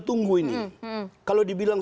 tunggu ini kalau dibilang